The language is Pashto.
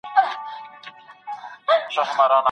زه د ګڼو غنمو په اړه ښه اړين معلومات لرم .